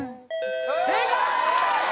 正解！